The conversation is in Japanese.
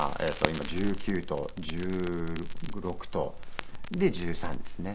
今１９と１６とで１３ですね。